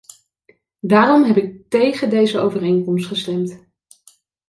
Daarom heb ik tegen deze overeenkomst gestemd.